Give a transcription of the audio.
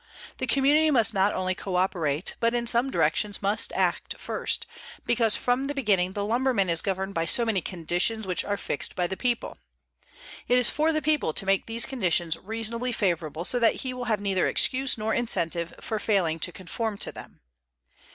The community must not only coöperate, but in some directions must act first, because from the beginning the lumberman is governed by many conditions which are fixed by the people. It is for the people to make these conditions reasonably favorable so that he will have neither excuse nor incentive for failing to conform to them.